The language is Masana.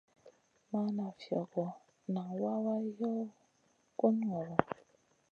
Mana fiogo, nan wawa yow gu ŋolo.